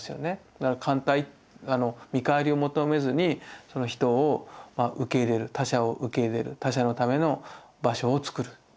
だから歓待見返りを求めずに人を受け入れる他者を受け入れる他者のための場所をつくるっていう。